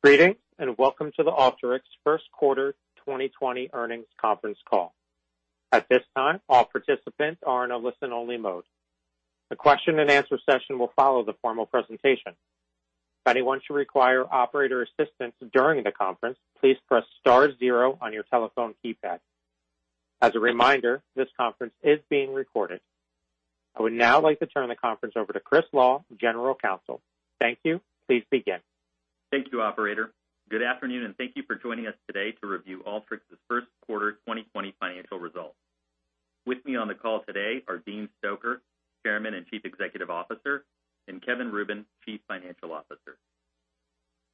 Greetings, and welcome to the Alteryx first quarter 2020 earnings conference call. At this time, all participants are in a listen-only mode. A question and answer session will follow the formal presentation. If anyone should require operator assistance during the conference, please press star zero on your telephone keypad. As a reminder, this conference is being recorded. I would now like to turn the conference over to Chris Lal, General Counsel. Thank you. Please begin. Thank you, operator. Good afternoon, and thank you for joining us today to review Alteryx's first quarter 2020 financial results. With me on the call today are Dean Stoecker, Chairman and Chief Executive Officer, and Kevin Rubin, Chief Financial Officer.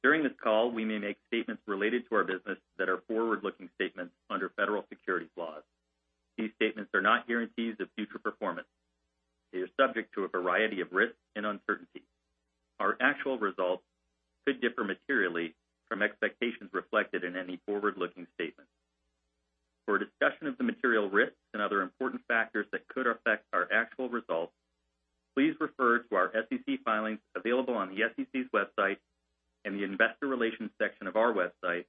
During this call, we may make statements related to our business that are forward-looking statements under federal securities laws. These statements are not guarantees of future performance. They are subject to a variety of risks and uncertainties. Our actual results could differ materially from expectations reflected in any forward-looking statement. For a discussion of the material risks and other important factors that could affect our actual results, please refer to our SEC filings available on the SEC's website and the investor relations section of our website,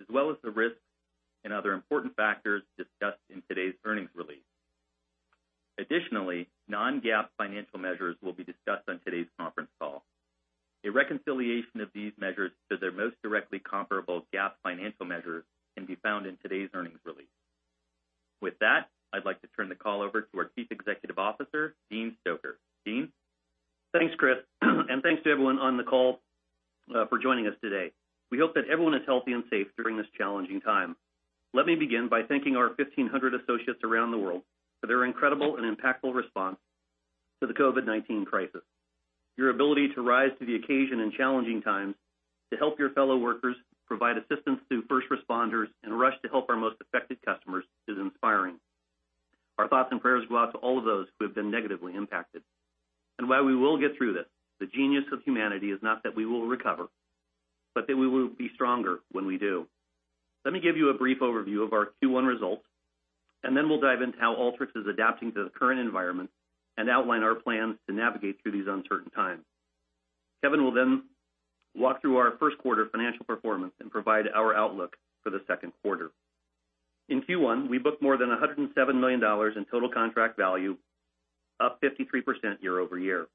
as well as the risks and other important factors discussed in today's earnings release. Additionally, non-GAAP financial measures will be discussed on today's conference call. A reconciliation of these measures to their most directly comparable GAAP financial measures can be found in today's earnings release. With that, I'd like to turn the call over to our Chief Executive Officer, Dean Stoecker. Dean? Thanks, Chris. Thanks to everyone on the call for joining us today. We hope that everyone is healthy and safe during this challenging time. Let me begin by thanking our 1,500 associates around the world for their incredible and impactful response to the COVID-19 crisis. Your ability to rise to the occasion in challenging times to help your fellow workers provide assistance to first responders and rush to help our most affected customers is inspiring. Our thoughts and prayers go out to all of those who have been negatively impacted. While we will get through this, the genius of humanity is not that we will recover, but that we will be stronger when we do. Let me give you a brief overview of our Q1 results, and then we'll dive into how Alteryx is adapting to the current environment and outline our plans to navigate through these uncertain times. Kevin will then walk through our first quarter financial performance and provide our outlook for the second quarter. In Q1, we booked more than $107 million in total contract value, up 53% year-over-year.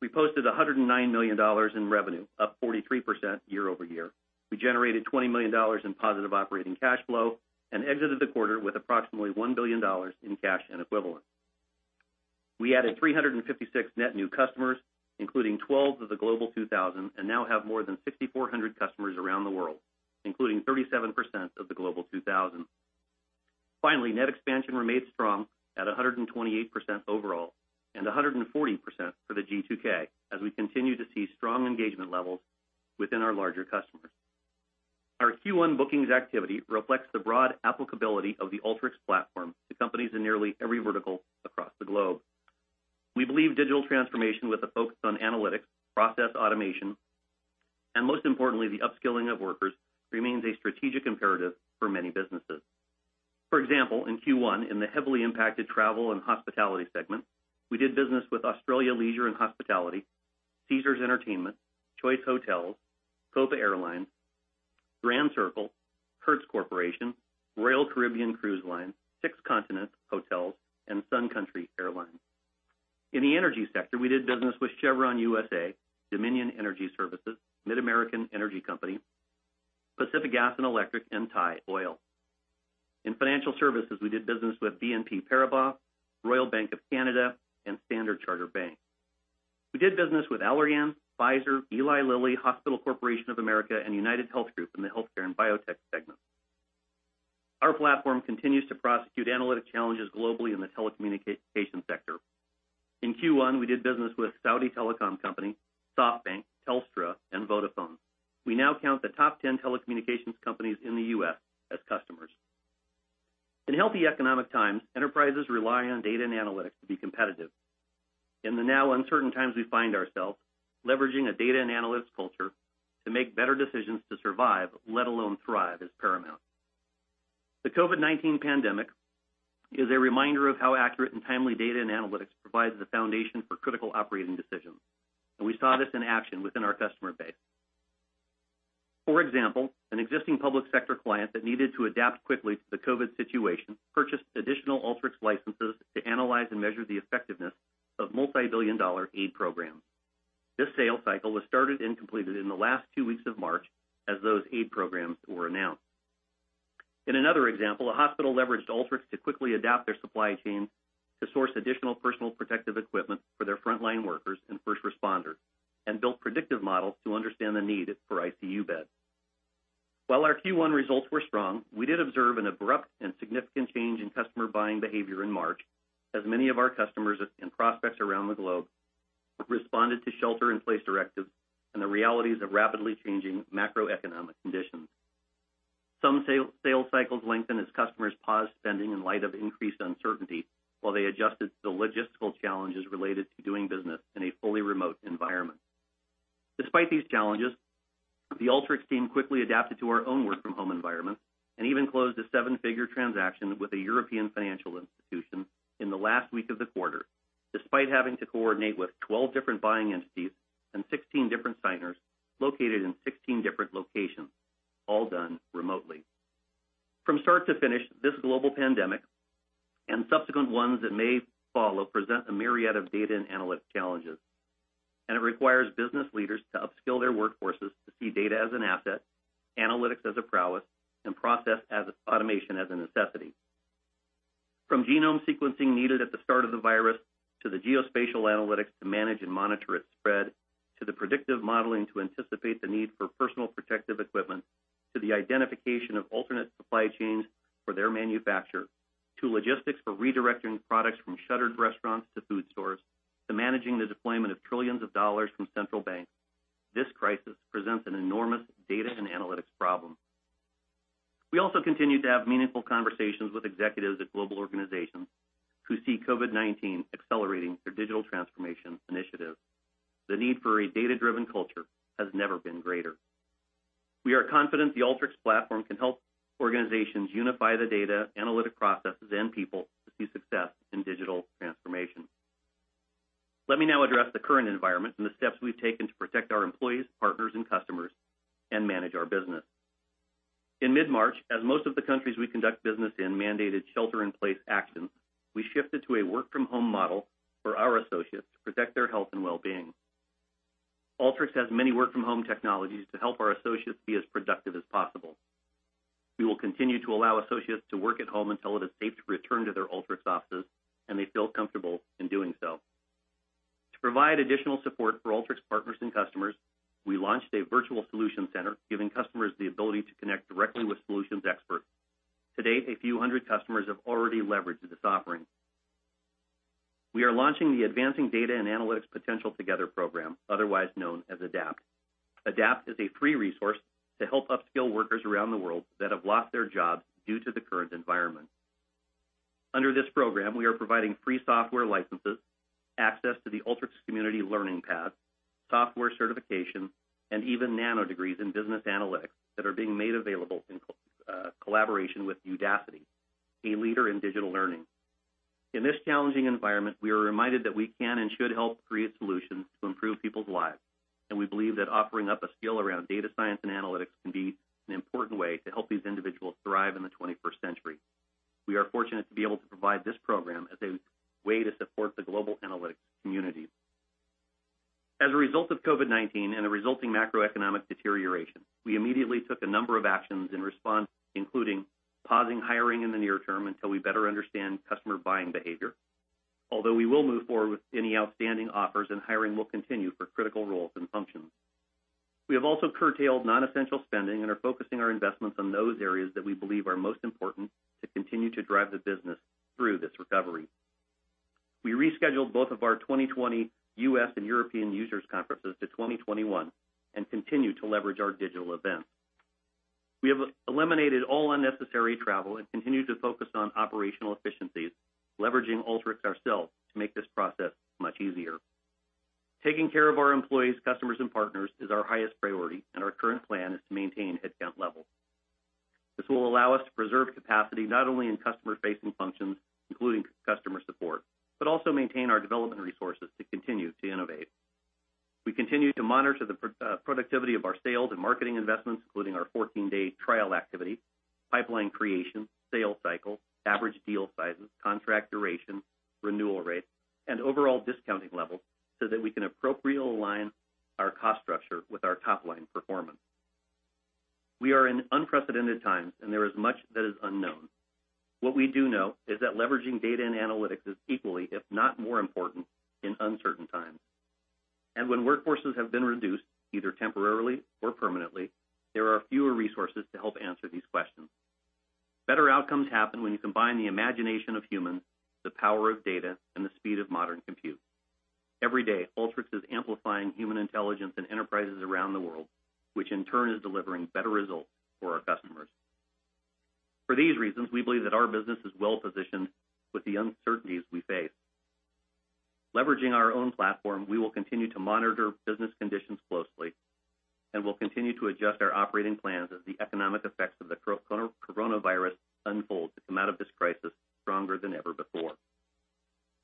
We posted $109 million in revenue, up 43% year-over-year. We generated $20 million in positive operating cash flow and exited the quarter with approximately $1 billion in cash and equivalent. We added 356 net new customers, including 12 of the Global 2,000, and now have more than 6,400 customers around the world, including 37% of the Global 2,000. Finally, net expansion remained strong at 128% overall and 140% for the G2K as we continue to see strong engagement levels within our larger customers. Our Q1 bookings activity reflects the broad applicability of the Alteryx platform to companies in nearly every vertical across the globe. We believe digital transformation with a focus on analytics, process automation, and most importantly, the upskilling of workers, remains a strategic imperative for many businesses. For example, in Q1, in the heavily impacted travel and hospitality segment, we did business with Australian Leisure and Hospitality, Caesars Entertainment, Choice Hotels, Copa Airlines, Grand Circle, Hertz Corporation, Royal Caribbean Cruise Line, Six Continents Hotels, and Sun Country Airlines. In the energy sector, we did business with Chevron U.S.A., Dominion Energy Services, MidAmerican Energy Company, Pacific Gas and Electric, and Thai Oil. In financial services, we did business with BNP Paribas, Royal Bank of Canada, and Standard Chartered Bank. We did business with Allergan, Pfizer, Eli Lilly, Hospital Corporation of America, and UnitedHealth Group in the healthcare and biotech segment. Our platform continues to prosecute analytic challenges globally in the telecommunication sector. In Q1, we did business with Saudi Telecom Company, SoftBank, Telstra, and Vodafone. We now count the top 10 telecommunications companies in the U.S. as customers. In healthy economic times, enterprises rely on data and analytics to be competitive. In the now uncertain times we find ourselves, leveraging a data and analytics culture to make better decisions to survive, let alone thrive, is paramount. The COVID-19 pandemic is a reminder of how accurate and timely data and analytics provides the foundation for critical operating decisions, and we saw this in action within our customer base. For example, an existing public sector client that needed to adapt quickly to the COVID-19 situation purchased additional Alteryx licenses to analyze and measure the effectiveness of multi-billion dollar aid programs. This sales cycle was started and completed in the last two weeks of March as those aid programs were announced. In another example, a hospital leveraged Alteryx to quickly adapt their supply chain to source additional personal protective equipment for their frontline workers and first responders and built predictive models to understand the need for ICU beds. While our Q1 results were strong, we did observe an abrupt and significant change in customer buying behavior in March, as many of our customers and prospects around the globe responded to shelter in place directives and the realities of rapidly changing macroeconomic conditions. Some sales cycles lengthened as customers paused spending in light of increased uncertainty while they adjusted to the logistical challenges related to doing business in a fully remote environment. Despite these challenges, the Alteryx team quickly adapted to our own work-from-home environment and even closed a seven-figure transaction with a European financial institution in the last week of the quarter, despite having to coordinate with 12 different buying entities and 16 different signers located in 16 different locations, all done remotely. From start to finish, this global pandemic and subsequent ones that may follow present a myriad of data and analytics challenges. It requires business leaders to upskill their workforces to see data as an asset, analytics as a prowess, and process automation as a necessity. From genome sequencing needed at the start of the virus, to the geospatial analytics to manage and monitor its spread, to the predictive modeling to anticipate the need for personal protective equipment, to the identification of alternate supply chains for their manufacture, to logistics for redirecting products from shuttered restaurants to food stores, to managing the deployment of trillions of dollars from central banks, this crisis presents an enormous data and analytics problem. We also continue to have meaningful conversations with executives at global organizations who see COVID-19 accelerating their digital transformation initiatives. The need for a data-driven culture has never been greater. We are confident the Alteryx platform can help organizations unify the data, analytic processes, and people to see success in digital transformation. Let me now address the current environment and the steps we've taken to protect our employees, partners, and customers and manage our business. In mid-March, as most of the countries we conduct business in mandated shelter-in-place actions, we shifted to a work-from-home model for our associates to protect their health and well-being. Alteryx has many work-from-home technologies to help our associates be as productive as possible. We will continue to allow associates to work at home until it is safe to return to their Alteryx offices, and they feel comfortable in doing so. To provide additional support for Alteryx partners and customers, we launched a virtual solution center, giving customers the ability to connect directly with solutions experts. To date, a few hundred customers have already leveraged this offering. We are launching the Advancing Data and Analytic Potential Together program, otherwise known as ADAPT. ADAPT is a free resource to help upskill workers around the world that have lost their jobs due to the current environment. Under this program, we are providing free software licenses, access to the Alteryx community learning path, software certification, and even Nanodegrees in business analytics that are being made available in collaboration with Udacity, a leader in digital learning. In this challenging environment, we are reminded that we can and should help create solutions to improve people's lives. We believe that offering up a skill around data science and analytics can be an important way to help these individuals thrive in the 21st century. We are fortunate to be able to provide this program as a way to support the global analytics community. As a result of COVID-19 and the resulting macroeconomic deterioration, we immediately took a number of actions in response, including pausing hiring in the near term until we better understand customer buying behavior. Although we will move forward with any outstanding offers, and hiring will continue for critical roles and functions. We have also curtailed non-essential spending and are focusing our investments on those areas that we believe are most important to continue to drive the business through this recovery. We rescheduled both of our 2020 U.S. and European users conferences to 2021 and continue to leverage our digital events. We have eliminated all unnecessary travel and continue to focus on operational efficiencies, leveraging Alteryx ourselves to make this process much easier. Taking care of our employees, customers, and partners is our highest priority, and our current plan is to maintain headcount levels. This will allow us to preserve capacity, not only in customer-facing functions, including customer support, but also maintain our development resources to continue to innovate. We continue to monitor the productivity of our sales and marketing investments, including our 14-day trial activity, pipeline creation, sales cycle, average deal sizes, contract duration, renewal rates, and overall discounting levels so that we can appropriately align our cost structure with our top-line performance. We are in unprecedented times, and there is much that is unknown. What we do know is that leveraging data and analytics is equally, if not more important, in uncertain times. When workforces have been reduced, either temporarily or permanently, there are fewer resources to help answer these questions. Better outcomes happen when you combine the imagination of humans, the power of data, and the speed of modern compute. Every day, Alteryx is amplifying human intelligence in enterprises around the world, which in turn is delivering better results for our customers. For these reasons, we believe that our business is well-positioned with the uncertainties we face. Leveraging our own platform, we will continue to monitor business conditions closely and will continue to adjust our operating plans as the economic effects of the coronavirus unfold to come out of this crisis stronger than ever before.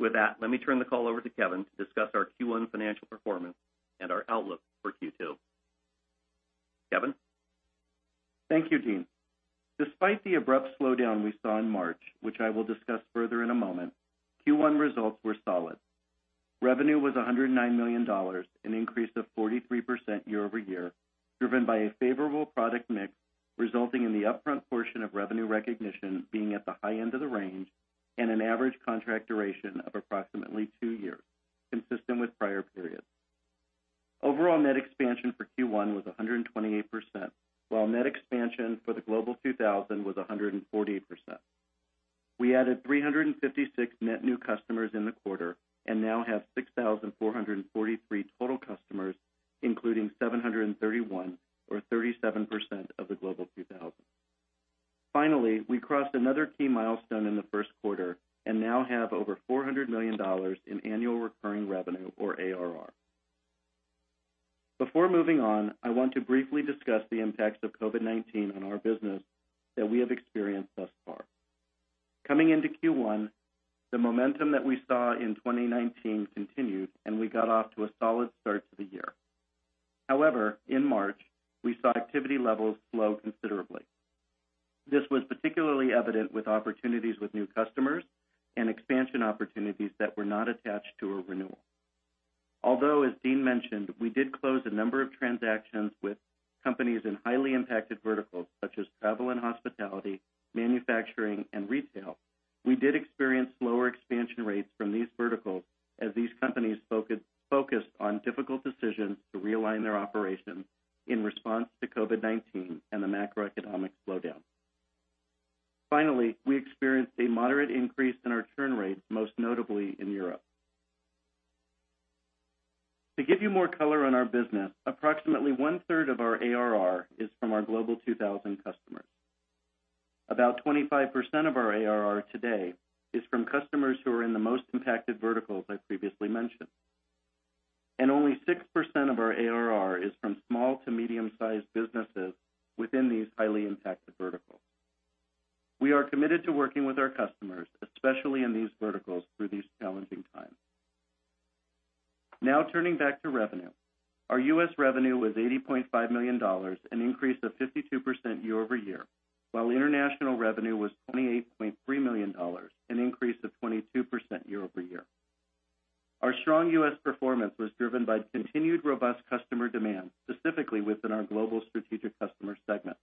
With that, let me turn the call over to Kevin to discuss our Q1 financial performance and our outlook for Q2. Kevin? Thank you, Dean. Despite the abrupt slowdown we saw in March, which I will discuss further in a moment, Q1 results were solid. Revenue was $109 million, an increase of 43% year-over-year, driven by a favorable product mix, resulting in the upfront portion of revenue recognition being at the high end of the range and an average contract duration of approximately two years, consistent with prior periods. Overall net expansion for Q1 was 128%, while net expansion for the Global 2000 was 148%. We added 356 net new customers in the quarter and now have 6,443 total customers, including 731 or 37% of the Global 2000. Finally, we crossed another key milestone in the first quarter and now have over $400 million in annual recurring revenue or ARR. Before moving on, I want to briefly discuss the impacts of COVID-19 on our business that we have experienced this far. Coming into Q1, the momentum that we saw in 2019 continued, and we got off to a solid start to the year. However, in March, we saw activity levels slow considerably. This was particularly evident with opportunities with new customers and expansion opportunities that were not attached to a renewal. Although, as Dean mentioned, we did close a number of transactions with companies in highly impacted verticals such as travel and hospitality, manufacturing, and retail. We did experience slower expansion rates from these verticals as these companies focused on difficult decisions to realign their operations in response to COVID-19 and the macroeconomic slowdown. Finally, we experienced a moderate increase in our churn rates, most notably in Europe. To give you more color on our business, approximately one-third of our ARR is from our Global 2,000 customers. About 25% of our ARR today is from customers who are in the most impacted verticals I previously mentioned, and only 6% of our ARR is from small to medium-sized businesses within these highly impacted verticals. We are committed to working with our customers, especially in these verticals, through these challenging times. Turning back to revenue. Our U.S. revenue was $80.5 million, an increase of 52% year-over-year, while international revenue was $28.3 million, an increase of 22% year-over-year. Our strong U.S. performance was driven by continued robust customer demand, specifically within our global strategic customer segment.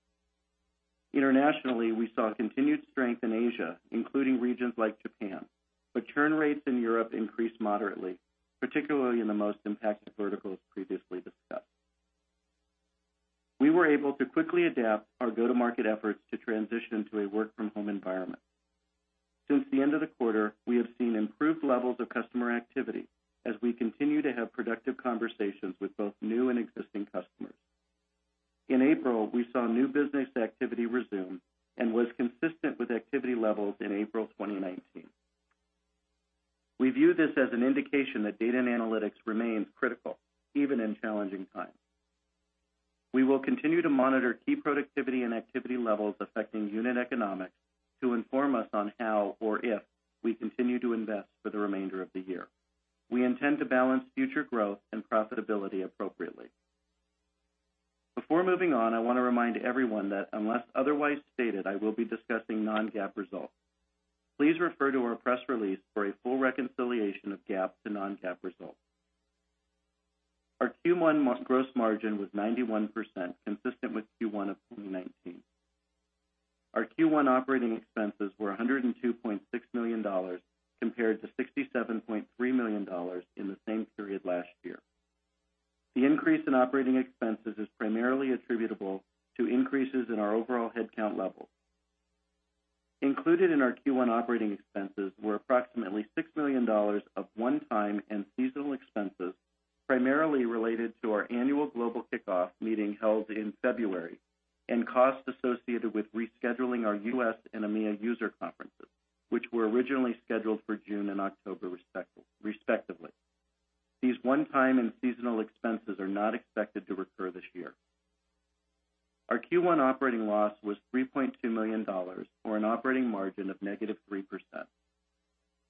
Internationally, we saw continued strength in Asia, including regions like Japan, but churn rates in Europe increased moderately, particularly in the most impacted verticals previously discussed. We were able to quickly adapt our go-to-market efforts to transition to a work-from-home environment. Since the end of the quarter, we have seen improved levels of customer activity as we continue to have productive conversations with both new and existing customers. In April, we saw new business activity resume and was consistent with activity levels in April 2019. We view this as an indication that data and analytics remains critical even in challenging times. We will continue to monitor key productivity and activity levels affecting unit economics to inform us on how or if we continue to invest for the remainder of the year. We intend to balance future growth and profitability appropriately. Before moving on, I want to remind everyone that unless otherwise stated, I will be discussing non-GAAP results. Please refer to our press release for a full reconciliation of GAAP to non-GAAP results. Our Q1 gross margin was 91%, consistent with Q1 of 2019. Our Q1 operating expenses were $102.6 million, compared to $67.3 million in the same period last year. The increase in operating expenses is primarily attributable to increases in our overall headcount level. Included in our Q1 operating expenses were approximately $6 million of one-time and seasonal expenses, primarily related to our annual global kickoff meeting held in February, and costs associated with rescheduling our U.S. and EMEA user conferences, which were originally scheduled for June and October, respectively. These one-time and seasonal expenses are not expected to recur this year. Our Q1 operating loss was $3.2 million, or an operating margin of negative 3%.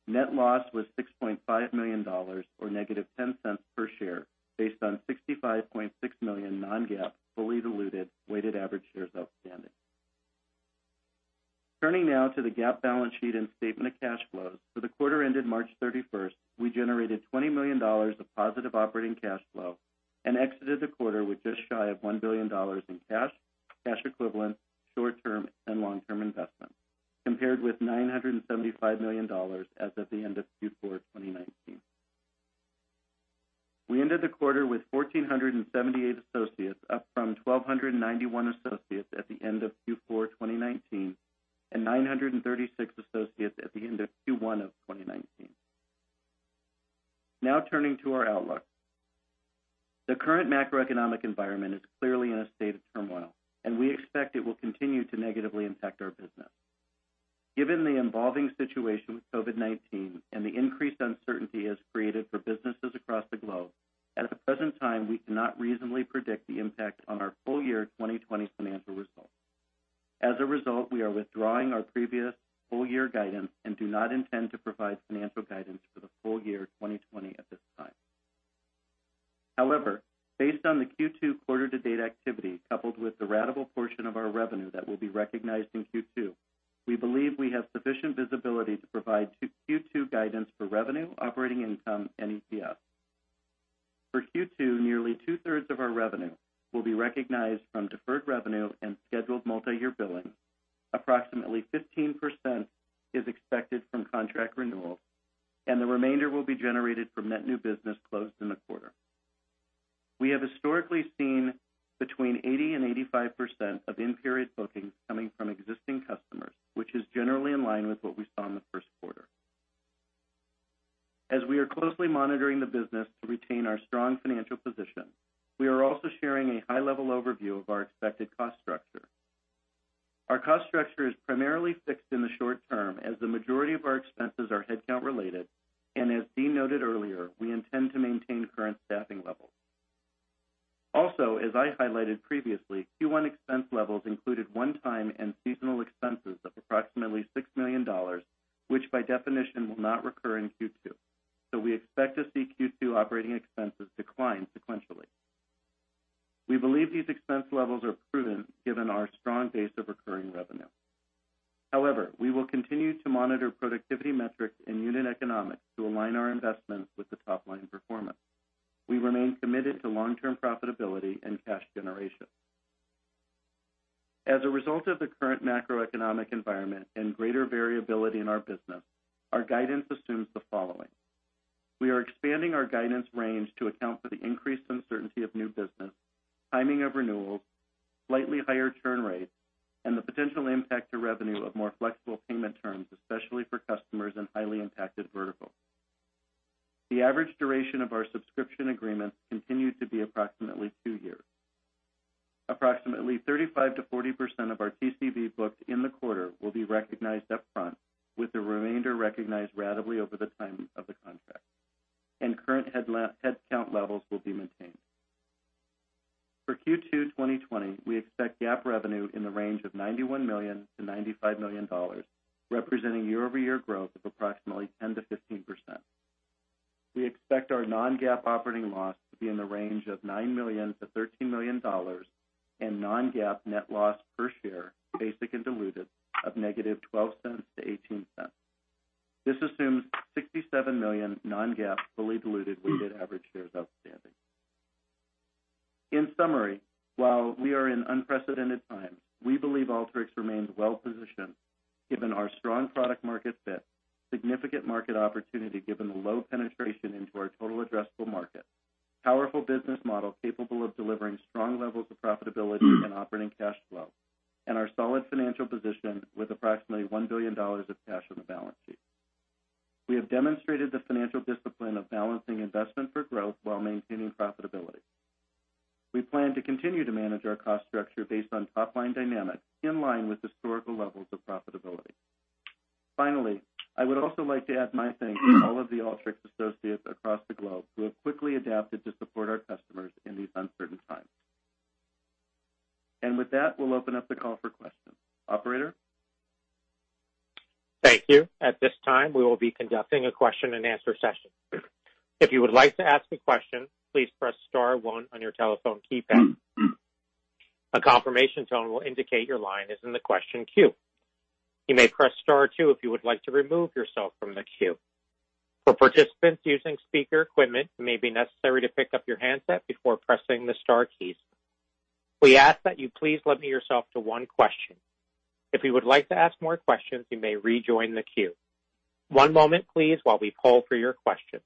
Net loss was $6.5 million, or -$0.10 per share based on 65.6 million non-GAAP, fully diluted weighted average shares outstanding. Turning now to the GAAP balance sheet and statement of cash flows. For the As we are closely monitoring the business to retain our strong financial position, we are also sharing a high-level overview of our expected cost structure. Our cost structure is primarily fixed in the short term as the majority of our expenses are headcount related, and as Dean noted earlier, we intend to maintain current staffing levels. Also, as I highlighted previously, Q1 expense levels included one-time and seasonal expenses of approximately $6 million, which by definition will not recur in Q2. We expect to see Q2 operating expenses decline sequentially. We believe these expense levels are prudent given our strong base of recurring revenue. However, we will continue to monitor productivity metrics and unit economics to align our investments with the top-line performance. We remain committed to long-term profitability and cash generation. As a result of the current macroeconomic environment and greater variability in our business, our guidance assumes the following. We are expanding our guidance range to account for the increased uncertainty of new business, timing of renewals, slightly higher churn rates, and the potential impact to revenue of more flexible payment terms, especially for customers in highly impacted verticals. The average duration of our subscription agreements continue to be approximately two years. Approximately 35%-40% of our TCV booked in the quarter will be recognized upfront, with the remainder recognized ratably over the time of the contract, and current headcount levels will be maintained. For Q2 2020, we expect GAAP revenue in the range of $91 million-$95 million, representing year-over-year growth of approximately 10%-15%. We expect our non-GAAP operating loss to be in the range of $9 million-$13 million, and non-GAAP net loss per share, basic and diluted, of negative $0.12-$0.18. This assumes 67 million non-GAAP fully diluted weighted average shares outstanding. In summary, while we are in unprecedented times, we believe Alteryx remains well-positioned given our strong product market fit, significant market opportunity given the low penetration into our total addressable market, powerful business model capable of delivering strong levels of profitability and operating cash flow, and our solid financial position with approximately $1 billion of cash on the balance sheet. We have demonstrated the financial discipline of balancing investment for growth while maintaining profitability. We plan to continue to manage our cost structure based on top-line dynamics in line with historical levels of profitability. Finally, I would also like to add my thanks to all of the Alteryx associates across the globe who have quickly adapted to support our customers in these uncertain times. With that, we'll open up the call for questions. Operator? Thank you. At this time, we will be conducting a question-and-answer session. If you would like to ask a question, please press star one on your telephone keypad. A confirmation tone will indicate your line is in the question queue. You may press star two if you would like to remove yourself from the queue. For participants using speaker equipment, it may be necessary to pick up your handset before pressing the star keys. We ask that you please limit yourself to one question. If you would like to ask more questions, you may rejoin the queue. One moment, please, while we poll for your questions.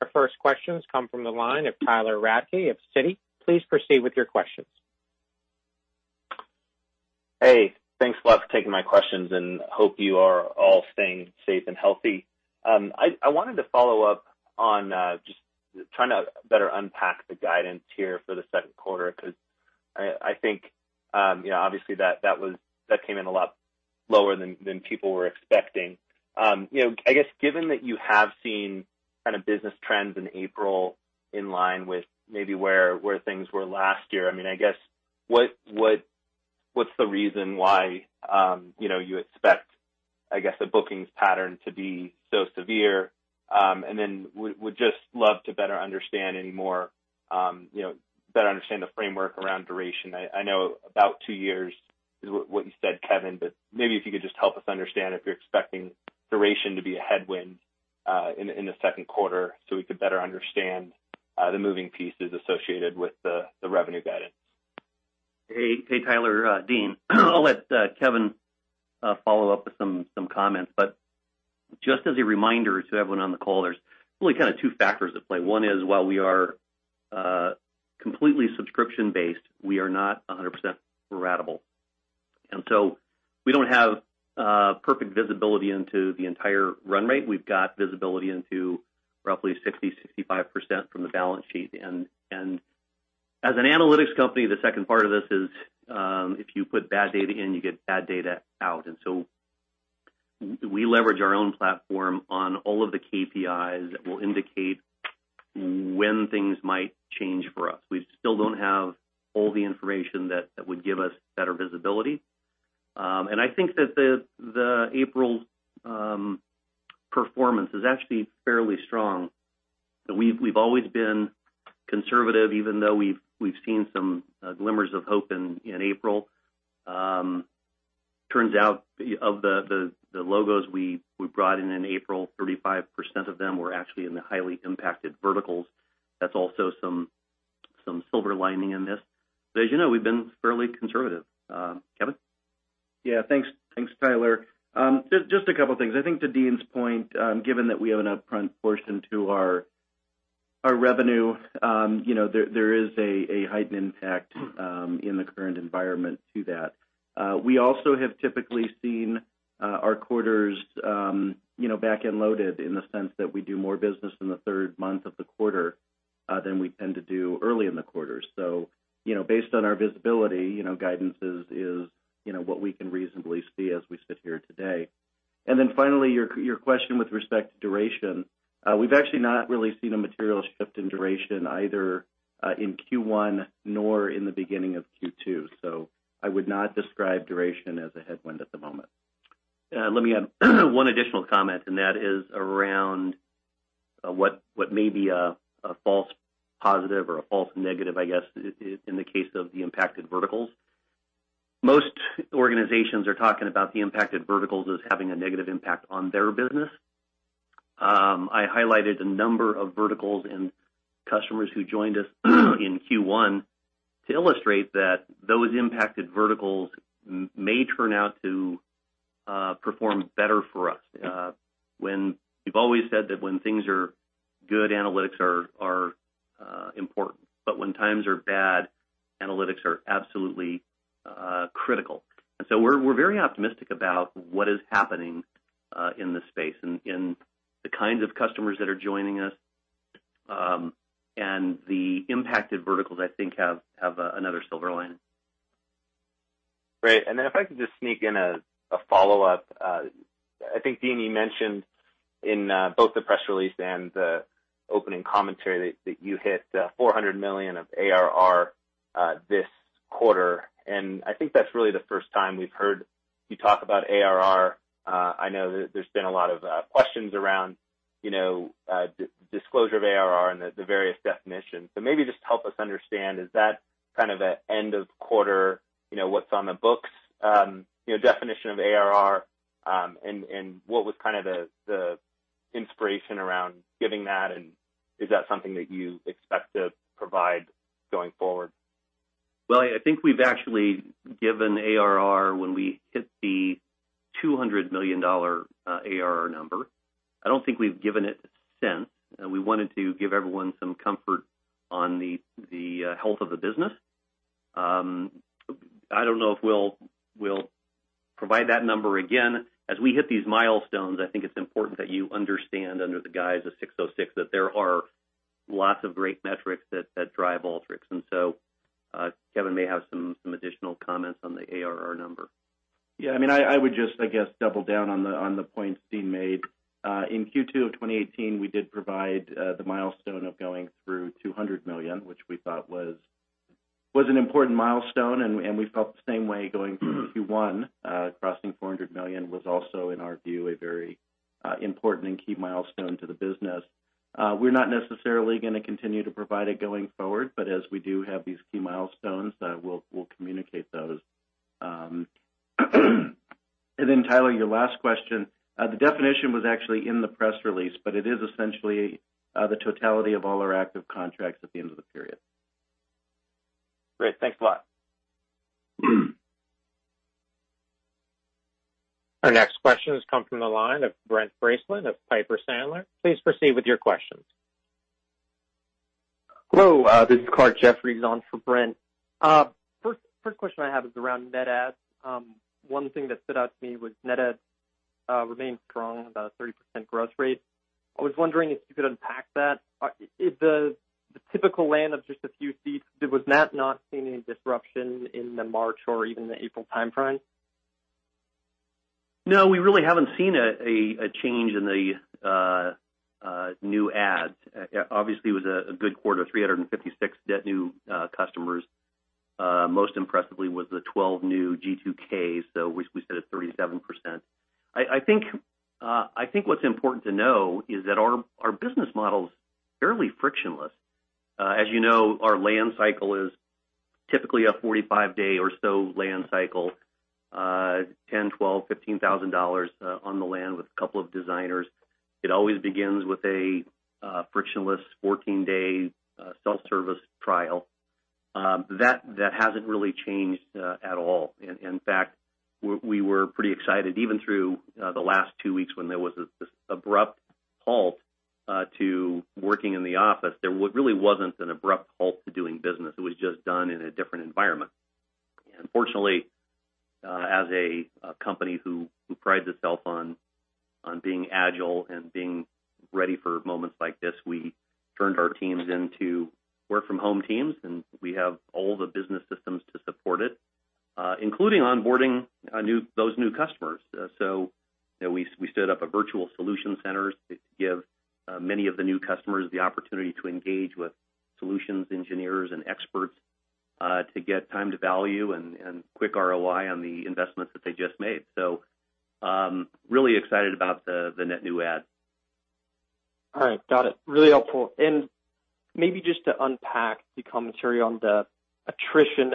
Our first question comes from the line of Tyler Radke of Citi. Please proceed with your questions. Thanks a lot for taking my questions. Hope you are all staying safe and healthy. I wanted to follow up on just trying to better unpack the guidance here for the second quarter, because I think, obviously, that came in a lot lower than people were expecting. I guess given that you have seen kind of business trends in April in line with maybe where things were last year, I guess, what's the reason why you expect a bookings pattern to be so severe? Would just love to better understand the framework around duration. I know about two years is what you said, Kevin. Maybe if you could just help us understand if you're expecting duration to be a headwind in the second quarter so we could better understand the moving pieces associated with the revenue guidance. Hey, Tyler. Dean. I'll let Kevin follow up with some comments. Just as a reminder to everyone on the call, there's really kind of two factors at play. One is while we are completely subscription based, we are not 100% ratable. We don't have perfect visibility into the entire run rate. We've got visibility into roughly 60%, 65% from the balance sheet. As an analytics company, the second part of this is, if you put bad data in, you get bad data out. We leverage our own platform on all of the KPIs that will indicate when things might change for us. We still don't have all the information that would give us better visibility. I think that the April performance is actually fairly strong. We've always been conservative, even though we've seen some glimmers of hope in April. Turns out, of the logos we brought in in April, 35% of them were actually in the highly impacted verticals. That's also some silver lining in this. As you know, we've been fairly conservative. Kevin? Yeah. Thanks, Tyler. Just a couple of things. I think to Dean's point, given that we have an upfront portion to our revenue, there is a heightened impact in the current environment to that. We also have typically seen our quarters back-end loaded in the sense that we do more business in the third month of the quarter than we tend to do early in the quarter. Based on our visibility, guidance is what we can reasonably see as we sit here today. Finally, your question with respect to duration. We've actually not really seen a material shift in duration either in Q1 nor in the beginning of Q2. I would not describe duration as a headwind at the moment. Let me add one additional comment, and that is around what may be a false positive or a false negative, I guess, in the case of the impacted verticals. Most organizations are talking about the impacted verticals as having a negative impact on their business. I highlighted a number of verticals and customers who joined us in Q1 to illustrate that those impacted verticals may turn out to perform better for us. We've always said that when things are good, analytics are important. When times are bad, analytics are absolutely critical. We're very optimistic about what is happening in this space and in the kinds of customers that are joining us, and the impacted verticals, I think have another silver lining. Great. Then if I could just sneak in a follow-up. I think, Dean, you mentioned in both the press release and the opening commentary that you hit $400 million of ARR this quarter, and I think that's really the first time we've heard you talk about ARR. I know that there's been a lot of questions around disclosure of ARR and the various definitions. Maybe just help us understand, is that kind of a end of quarter, what's on the books definition of ARR, and what was kind of the inspiration around giving that, and is that something that you expect to provide going forward? I think we've actually given ARR when we hit the $200 million ARR number. I don't think we've given it since. We wanted to give everyone some comfort on the health of the business. I don't know if we'll provide that number again. As we hit these milestones, I think it's important that you understand under the guise of 606 that there are lots of great metrics that drive Alteryx. Kevin may have some additional comments on the ARR number. I would just, I guess, double down on the points Dean made. In Q2 of 2018, we did provide the milestone of going through $200 million, which we thought was an important milestone, and we felt the same way going through Q1. Crossing $400 million was also, in our view, a very important and key milestone to the business. We're not necessarily going to continue to provide it going forward, but as we do have these key milestones, we'll communicate those. Tyler, your last question. The definition was actually in the press release, but it is essentially the totality of all our active contracts at the end of the period. Great. Thanks a lot. Our next questions come from the line of Brent Bracelin of Piper Sandler. Please proceed with your questions. Hello, this is Clarke Jeffries on for Brent. First question I have is around net adds. One thing that stood out to me was net adds remained strong, about a 30% growth rate. I was wondering if you could unpack that. The typical land of just a few seats, was that not seeing any disruption in the March or even the April timeframe? No, we really haven't seen a change in the new adds. Obviously, it was a good quarter, 356 net new customers. Most impressively was the 12 new G2Ks, we said a 37%. I think what's important to know is that our business model's fairly frictionless. As you know, our land cycle is typically a 45-day or so land cycle, 10, 12, $15,000 on the land with a couple of designers. It always begins with a frictionless 14-day self-service trial. That hasn't really changed at all. In fact, we were pretty excited even through the last two weeks when there was this abrupt halt to working in the office. There really wasn't an abrupt halt to doing business. It was just done in a different environment. Fortunately, as a company who prides itself on being agile and being ready for moments like this, we turned our teams into work-from-home teams, and we have all the business systems to support it, including onboarding those new customers. We stood up a virtual solution center to give many of the new customers the opportunity to engage with solutions engineers and experts, to get time to value and quick ROI on the investments that they just made. Really excited about the net new add. All right. Got it. Really helpful. Maybe just to unpack the commentary on the attrition.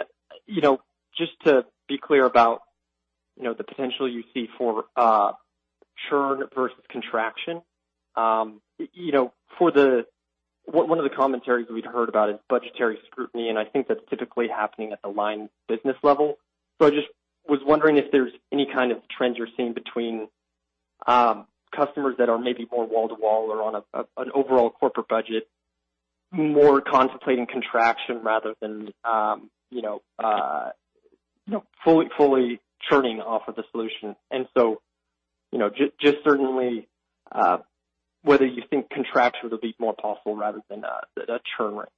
Just to be clear about the potential you see for churn versus contraction. One of the commentaries we'd heard about is budgetary scrutiny, and I think that's typically happening at the line business level. I just was wondering if there's any kind of trends you're seeing customers that are maybe more wall-to-wall or on an overall corporate budget, more contemplating contraction rather than fully churning off of the solution. Just certainly whether you think contractions would be more possible rather than a churn rate.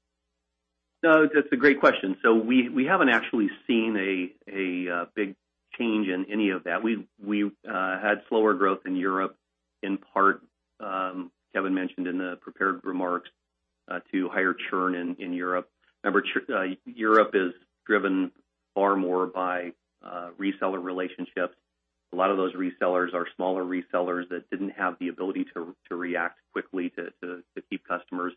That's a great question. We haven't actually seen a big change in any of that. We had slower growth in Europe in part, Kevin mentioned in the prepared remarks, to higher churn in Europe. Remember, Europe is driven far more by reseller relationships. A lot of those resellers are smaller resellers that didn't have the ability to react quickly to keep customers.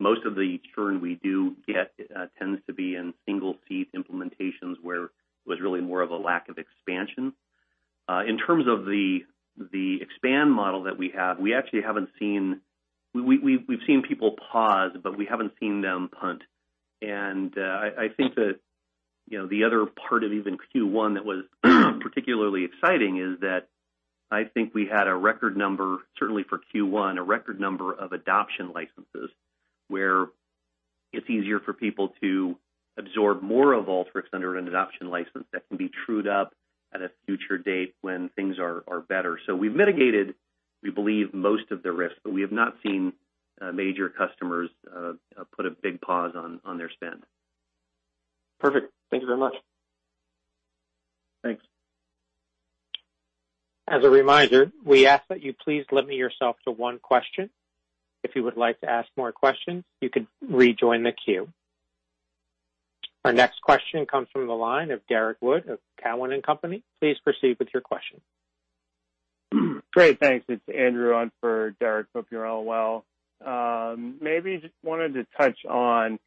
Most of the churn we do get tends to be in single-seat implementations, where it was really more of a lack of expansion. In terms of the expand model that we have, we've seen people pause, but we haven't seen them punt. I think that the other part of even Q1 that was particularly exciting is that I think we had a record number, certainly for Q1, a record number of adoption licenses, where it's easier for people to absorb more of Alteryx under an adoption license that can be trued up at a future date when things are better. We've mitigated, we believe, most of the risks, but we have not seen major customers put a big pause on their spend. Perfect. Thank you very much. Thanks. As a reminder, we ask that you please limit yourself to one question. If you would like to ask more questions, you could rejoin the queue. Our next question comes from the line of Derrick Wood of Cowen and Company. Please proceed with your question. Great. Thanks. It's Andrew on for Derrick. Hope you're all well. Just wanted to touch on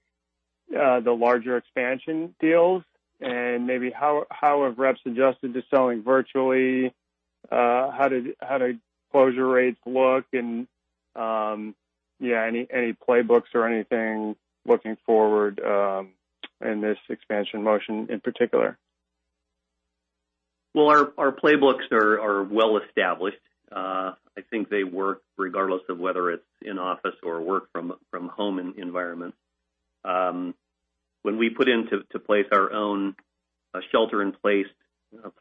the larger expansion deals and maybe how have reps adjusted to selling virtually, how do closure rates look, and any playbooks or anything looking forward in this expansion motion in particular? Well, our playbooks are well-established. I think they work regardless of whether it's in office or work-from-home environment. When we put into place our own shelter-in-place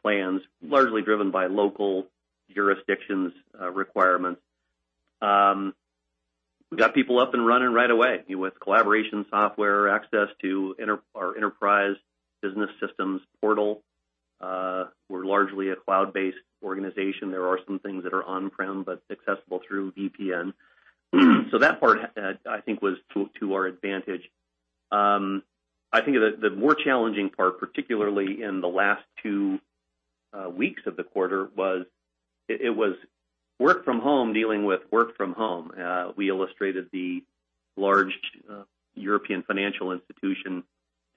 plans, largely driven by local jurisdictions' requirements, we got people up and running right away with collaboration software, access to our enterprise business systems portal. We're largely a cloud-based organization. There are some things that are on-prem but accessible through VPN. That part, I think, was to our advantage. I think the more challenging part, particularly in the last two weeks of the quarter, was it was work from home dealing with work from home. We illustrated the large European financial institution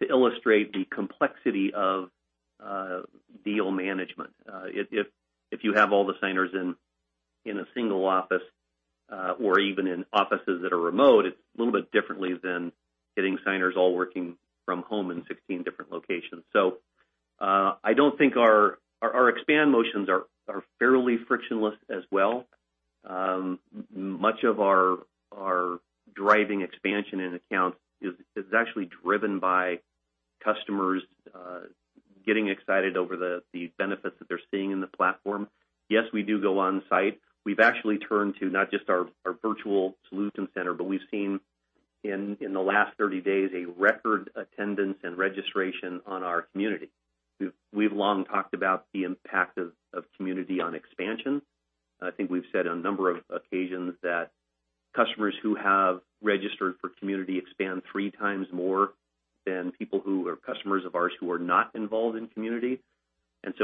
to illustrate the complexity of deal management. If you have all the signers in a single office or even in offices that are remote, it's a little bit differently than getting signers all working from home in 16 different locations. I don't think our expand motions are fairly frictionless as well. Much of our driving expansion in accounts is actually driven by customers getting excited over the benefits that they're seeing in the platform. Yes, we do go on-site. We've actually turned to not just our virtual solution center, but we've seen in the last 30 days a record attendance and registration on our community. We've long talked about the impact of community on expansion. I think we've said on a number of occasions that customers who have registered for community expand three times more than people who are customers of ours who are not involved in community.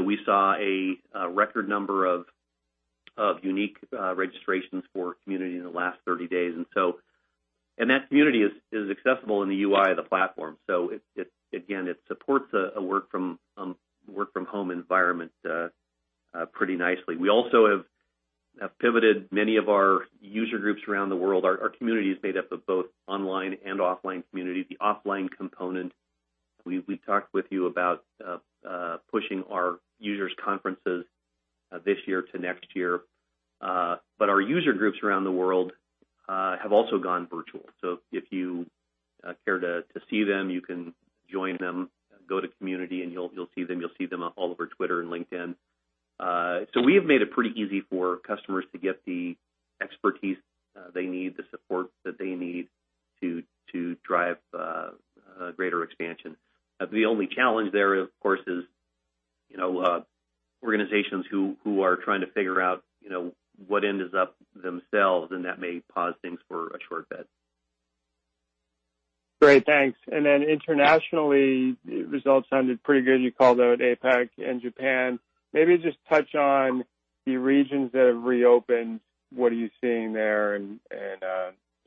We saw a record number of unique registrations for community in the last 30 days. That community is accessible in the UI of the platform. Again, it supports a work-from-home environment pretty nicely. We also have pivoted many of our user groups around the world. Our community is made up of both online and offline communities. The offline component, we talked with you about pushing our users' conferences this year to next year. Our user groups around the world have also gone virtual. If you care to see them, you can join them, go to Community, and you'll see them. You'll see them all over Twitter and LinkedIn. We have made it pretty easy for customers to get the expertise they need, the support that they need to drive greater expansion. The only challenge there, of course, is organizations who are trying to figure out what end is up themselves, and that may pause things for a short bit. Great, thanks. Internationally, results sounded pretty good. You called out APAC and Japan. Maybe just touch on the regions that have reopened. What are you seeing there, and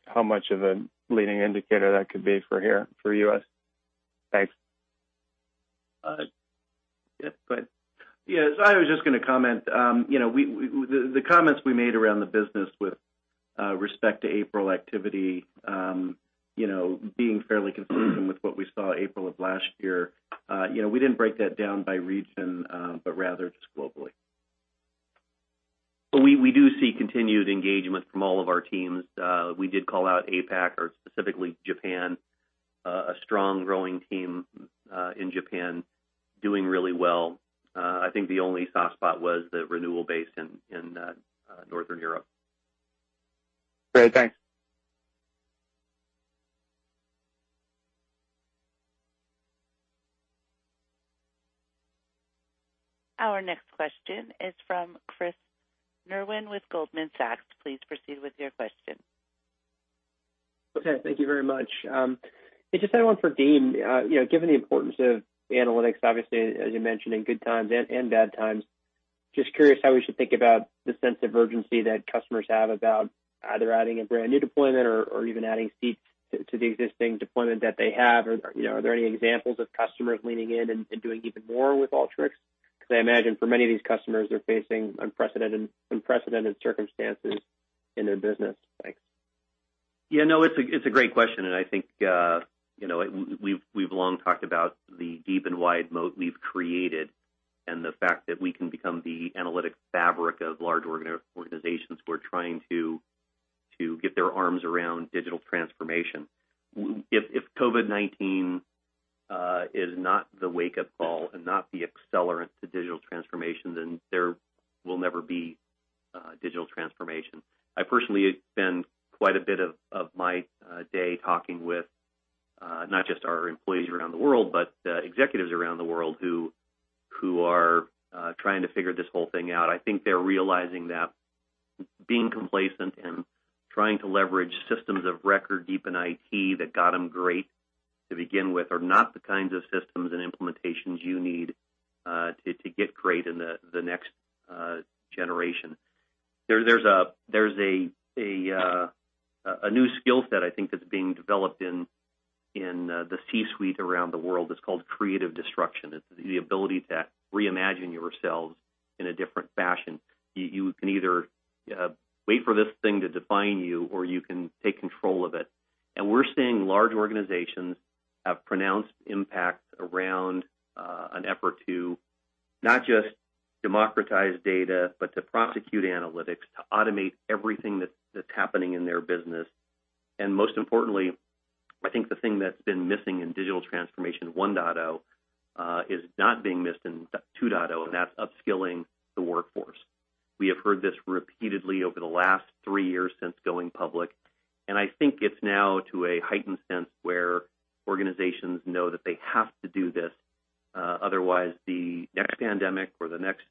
how much of a leading indicator that could be for here, for U.S.? Thanks. Yeah, go ahead. Yes, I was just going to comment. The comments we made around the business with respect to April activity, being fairly consistent with what we saw April of last year. We didn't break that down by region, but rather just globally. We do see continued engagement from all of our teams. We did call out APAC, or specifically Japan, a strong growing team in Japan doing really well. I think the only soft spot was the renewal base in Northern Europe. Great. Thanks. Our next question is from Chris Merwin with Goldman Sachs. Please proceed with your question. Okay. Thank you very much. It's just had one for Dean. Given the importance of analytics, obviously, as you mentioned, in good times and bad times, just curious how we should think about the sense of urgency that customers have about either adding a brand new deployment or even adding seats to the existing deployment that they have. Are there any examples of customers leaning in and doing even more with Alteryx? I imagine for many of these customers, they're facing unprecedented circumstances in their business. Thanks. Yeah, no, it's a great question, and I think we've long talked about the deep and wide moat we've created and the fact that we can become the analytic fabric of large organizations who are trying to get their arms around digital transformation. If COVID-19 is not the wake-up call and not the accelerant to digital transformation, then there will never be digital transformation. I personally spend quite a bit of my day talking with, not just our employees around the world, but executives around the world who are trying to figure this whole thing out. I think they're realizing that being complacent and trying to leverage systems of record deep in IT that got them great to begin with are not the kinds of systems and implementations you need to get great in the next generation. There's a new skill set I think that's being developed in the C-suite around the world. It's called creative destruction. It's the ability to reimagine yourselves in a different fashion. You can either wait for this thing to define you, or you can take control of it. We're seeing large organizations have pronounced impacts around an effort to not just democratize data, but to prosecute analytics, to automate everything that's happening in their business. Most importantly, I think the thing that's been missing in digital transformation 1.0, is not being missed in 2.0, and that's upskilling the workforce. We have heard this repeatedly over the last three years since going public. I think it's now to a heightened sense where organizations know that they have to do this, otherwise the next pandemic or the next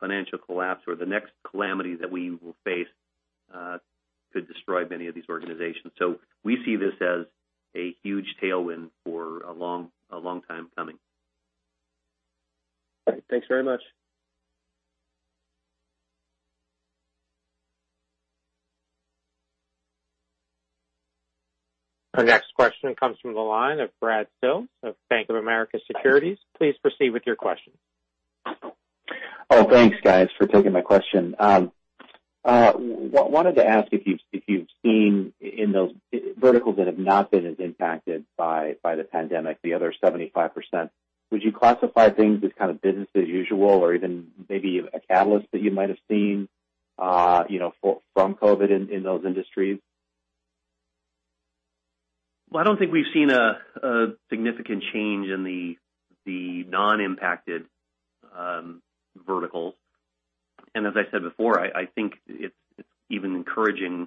financial collapse or the next calamity that we will face could destroy many of these organizations. We see this as a huge tailwind for a long time coming. Thanks very much. Our next question comes from the line of Brad Sills of Bank of America Securities. Please proceed with your question. Thanks, guys, for taking my question. I wanted to ask if you've seen in those verticals that have not been as impacted by the pandemic, the other 75%, would you classify things as kind of business as usual or even maybe a catalyst that you might have seen from COVID in those industries? Well, I don't think we've seen a significant change in the non-impacted verticals. As I said before, I think it's even encouraging,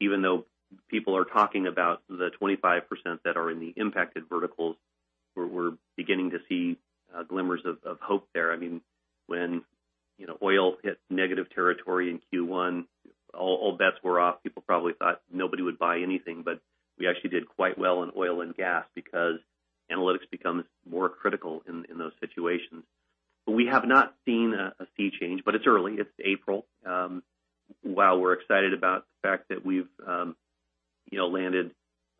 even though people are talking about the 25% that are in the impacted verticals, we're beginning to see glimmers of hope there. When oil hit negative territory in Q1, all bets were off. People probably thought nobody would buy anything, but we actually did quite well in oil and gas because analytics becomes more critical in those situations. We have not seen a sea change, but it's early. It's April. While we're excited about the fact that we've landed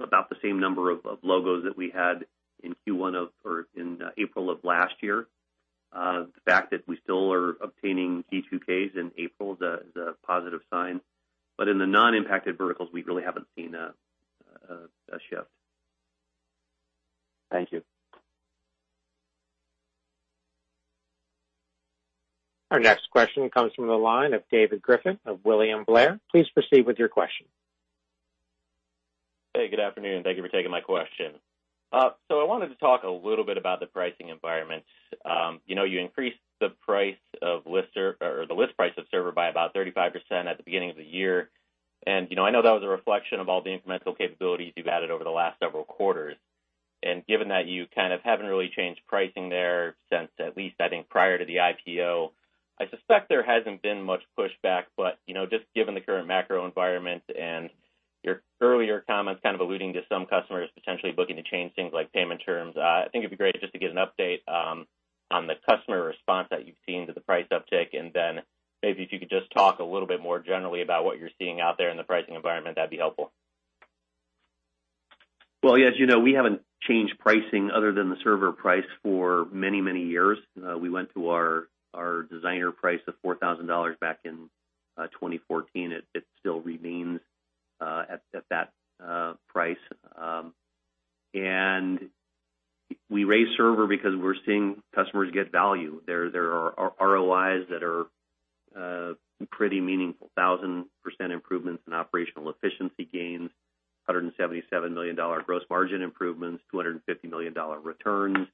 about the same number of logos that we had in April of last year, the fact that we still are obtaining G2Ks in April is a positive sign. In the non-impacted verticals, we really haven't seen a shift. Thank you. Our next question comes from the line of David Griffin of William Blair. Please proceed with your question. Hey, good afternoon. Thank you for taking my question. I wanted to talk a little bit about the pricing environment. You increased the list price of Server by about 35% at the beginning of the year, and I know that was a reflection of all the incremental capabilities you've added over the last several quarters. Given that you kind of haven't really changed pricing there since at least I think prior to the IPO, I suspect there hasn't been much pushback. Given the current macro environment and your earlier comments kind of alluding to some customers potentially looking to change things like payment terms, I think it'd be great just to get an update on the customer response that you've seen to the price uptick. Then maybe if you could just talk a little bit more generally about what you're seeing out there in the pricing environment, that'd be helpful. Well, as you know, we haven't changed pricing other than the Server price for many, many years. We went to our Designer price of $4,000 back in 2014. It still remains at that price. We raised Server because we're seeing customers get value. There are ROIs that are pretty meaningful, 1,000% improvements in operational efficiency gains, $177 million gross margin improvements, $250 million returns.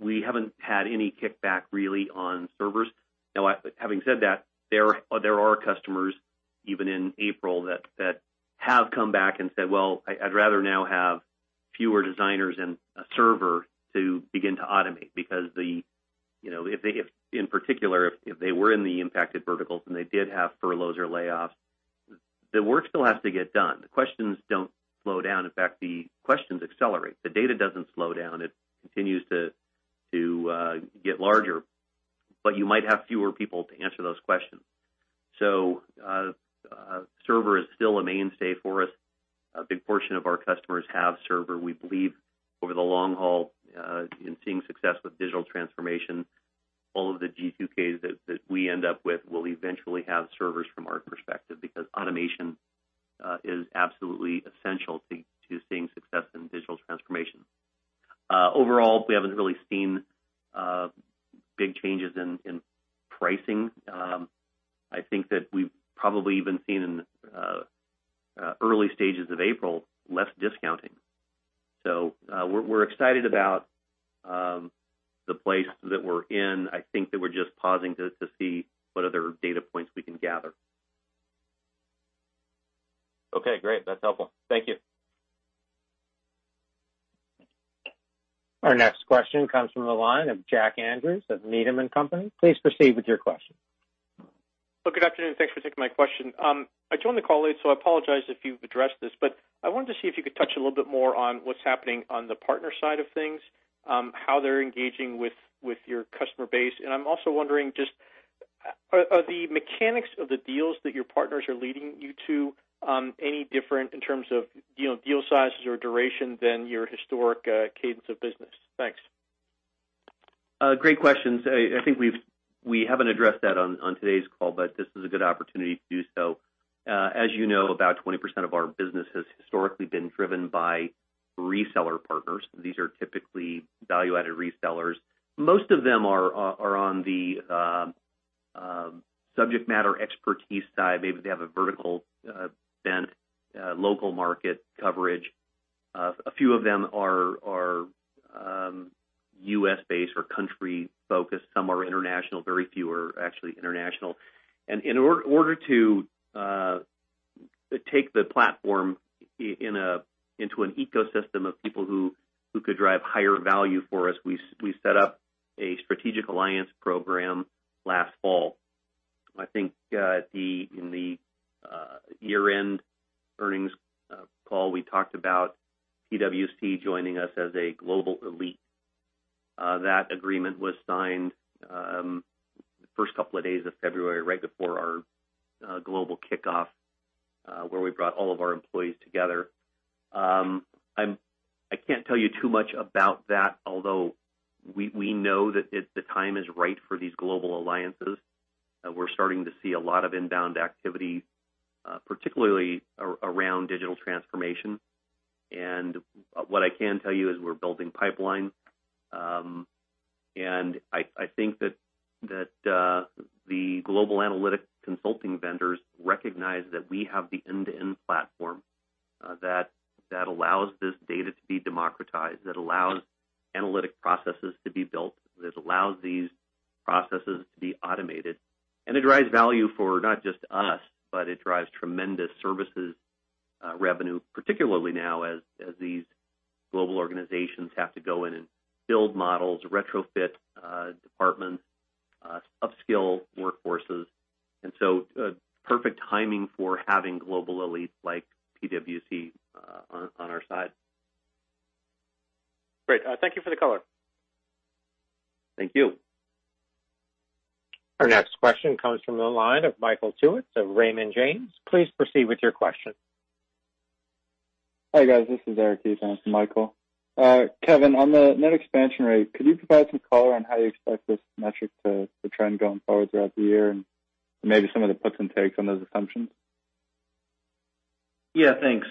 We haven't had any kickback really on Servers. Now, having said that, there are customers, even in April, that have come back and said, "Well, I'd rather now have fewer Designers and a Server to begin to automate." Because in particular, if they were in the impacted verticals and they did have furloughs or layoffs, the work still has to get done. The questions don't slow down. In fact, the questions accelerate. The data doesn't slow down. It continues to get larger. You might have fewer people to answer those questions. Server is still a mainstay for us. A big portion of our customers have server. We believe over the long haul, in seeing success with digital transformation, all of the G2Ks that we end up with will eventually have servers from our perspective, because automation is absolutely essential to seeing success in digital transformation. Overall, we haven't really seen big changes in pricing. I think that we've probably even seen in early stages of April, less discounting. We're excited about the place that we're in. I think that we're just pausing to see what other data points we can gather. Okay, great. That's helpful. Thank you. Our next question comes from the line of Jack Andrews of Needham & Company. Please proceed with your question. Good afternoon. Thanks for taking my question. I joined the call late, so I apologize if you've addressed this, but I wanted to see if you could touch a little bit more on what's happening on the partner side of things, how they're engaging with your customer base. I'm also wondering just are the mechanics of the deals that your partners are leading you to any different in terms of deal sizes or duration than your historic cadence of business? Thanks. Great questions. I think we haven't addressed that on today's call, but this is a good opportunity to do so. As you know, about 20% of our business has historically been driven by reseller partners. These are typically value-added resellers. Most of them are on the subject matter expertise side. Maybe they have a vertical bent, local market coverage. A few of them are U.S.-based or country focused. Some are international. Very few are actually international. In order to take the platform into an ecosystem of people who could drive higher value for us, we set up a strategic alliance program last fall. I think in the year-end earnings call, we talked about PwC joining us as a global elite. That agreement was signed the first couple of days of February, right before our global kickoff, where we brought all of our employees together. I can't tell you too much about that, although we know that the time is right for these global alliances. We're starting to see a lot of inbound activity, particularly around digital transformation. What I can tell you is we're building pipeline. I think that the global analytic consulting vendors recognize that we have the end-to-end platform that allows this data to be democratized, that allows analytic processes to be built, that allows these processes to be automated. It drives value for not just us, but it drives tremendous services revenue, particularly now as these global organizations have to go in and build models, retrofit departments, upskill workforces. Perfect timing for having global elites like PwC on our side. Great. Thank you for the color. Thank you. Our next question comes from the line of Michael Turits of Raymond James. Please proceed with your question. Hi, guys. This is Eric. Yes. Thanks, Michael. Kevin, on the net expansion rate, could you provide some color on how you expect this metric to trend going forward throughout the year, and maybe some of the puts and takes on those assumptions? Yeah, thanks.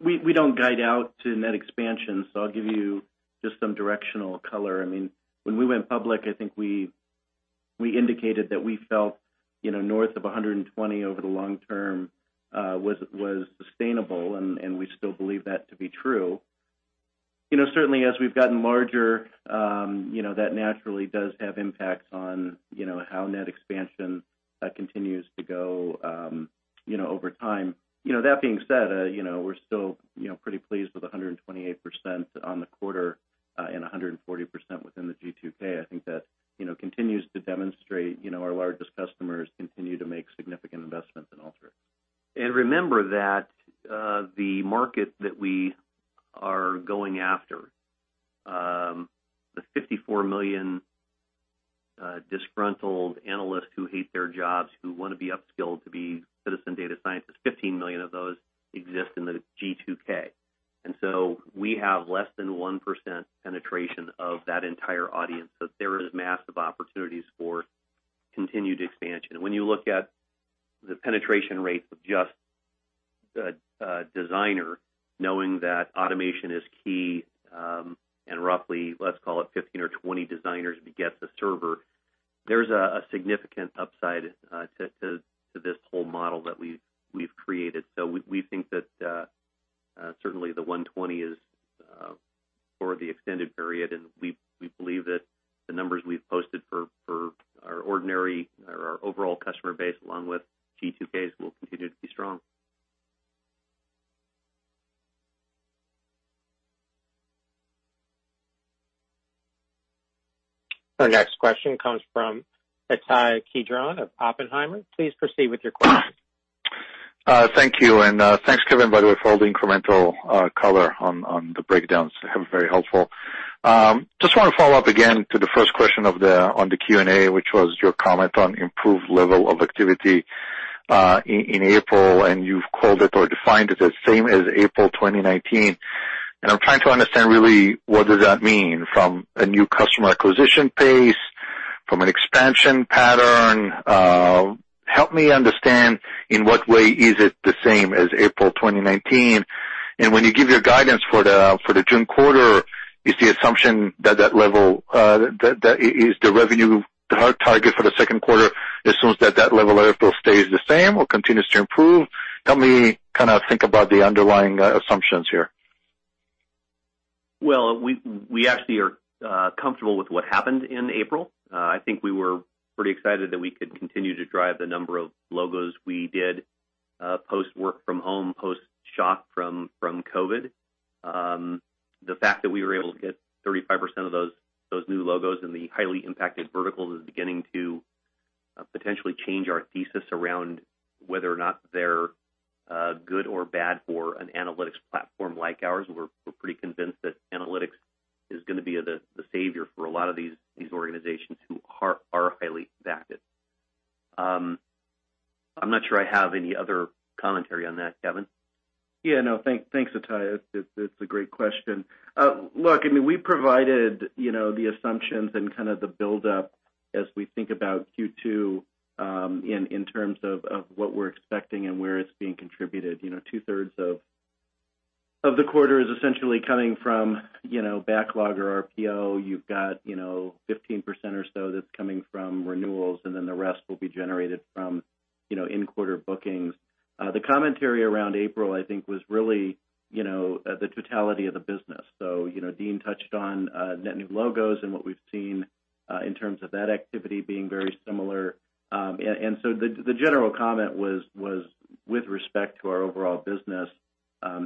We don't guide out to net expansion. I'll give you just some directional color. When we went public, I think we indicated that we felt north of 120 over the long term was sustainable, and we still believe that to be true. Certainly, as we've gotten larger, that naturally does have impacts on how net expansion continues to go over time. That being said, we're still pretty pleased with 128% on the quarter and 140% within the G2K. I think that continues to demonstrate our largest customers continue to make significant investments in Alteryx. Remember that the market that we are going after. The 54 million disgruntled analysts who hate their jobs, who want to be upskilled to be citizen data scientists, 15 million of those exist in the G2K. We have less than 1% penetration of that entire audience. There is massive opportunities for continued expansion. When you look at the penetration rates of just a Designer knowing that automation is key, and roughly, let's call it 15 or 20 Designers beget the server, there's a significant upside to this whole model that we've created. We think that certainly the 120 is for the extended period, and we believe that the numbers we've posted for our ordinary or our overall customer base, along with G2Ks will continue to be strong. Our next question comes from Ittai Kidron of Oppenheimer. Please proceed with your question. Thank you, and thanks, Kevin, by the way, for all the incremental color on the breakdowns. They're very helpful. Just want to follow up again to the first question on the Q&A, which was your comment on improved level of activity, in April, and you've called it or defined it as same as April 2019. I'm trying to understand really what does that mean from a new customer acquisition pace, from an expansion pattern. Help me understand in what way is it the same as April 2019? When you give your guidance for the June quarter, is the assumption that the revenue target for the second quarter assumes that level of April stays the same or continues to improve? Help me kind of think about the underlying assumptions here. Well, we actually are comfortable with what happened in April. I think we were pretty excited that we could continue to drive the number of logos we did, post-work from home, post-shock from COVID. The fact that we were able to get 35% of those new logos in the highly impacted verticals is beginning to potentially change our thesis around whether or not they're good or bad for an analytics platform like ours. We're pretty convinced that analytics is going to be the savior for a lot of these organizations who are highly impacted. I'm not sure I have any other commentary on that, Kevin. Yeah, no. Thanks, Ittai. It's a great question. Look, we provided the assumptions and kind of the build up as we think about Q2, in terms of what we're expecting and where it's being contributed. Two-thirds of the quarter is essentially coming from backlog or RPO. You've got 15% or so that's coming from renewals, the rest will be generated from in-quarter bookings. The commentary around April, I think, was really the totality of the business. Dean touched on net new logos and what we've seen, in terms of that activity being very similar. The general comment was with respect to our overall business. I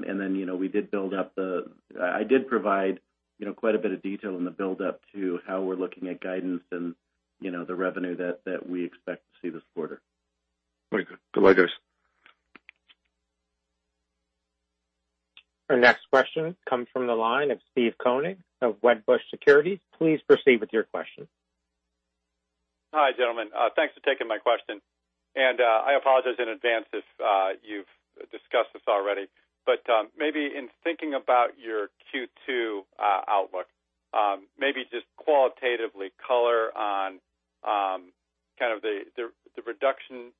did provide quite a bit of detail in the build up to how we're looking at guidance and the revenue that we expect to see this quarter. Very good. Goodbye, guys. Our next question comes from the line of Steve Koenig of Wedbush Securities. Please proceed with your question. Hi, gentlemen. Thanks for taking my question. I apologize in advance if you've discussed this already. Maybe in thinking about your Q2 outlook, maybe just qualitatively color on kind of the reduction